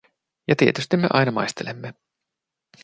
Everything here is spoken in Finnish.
Ja tietysti me aina maistelemme.